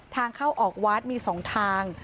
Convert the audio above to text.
ทางเข้าออกวัดมี๒ทาง